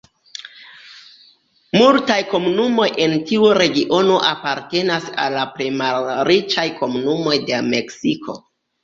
Multaj komunumoj en tiu regiono apartenas al la plej malriĉaj komunumoj de Meksiko.